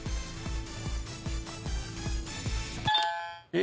え！